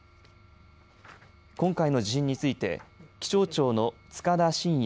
今回の地震について気象庁の束田進也